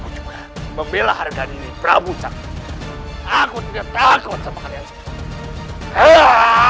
tidak takut sama kalian semua